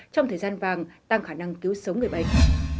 trong thời gian vàng tăng khả năng cứu sống người bệnh